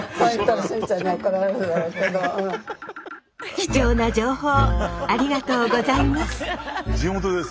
貴重な情報ありがとうございます。